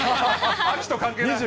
秋と関係ない。